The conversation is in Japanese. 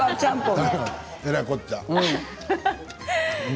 えらいこっちゃ。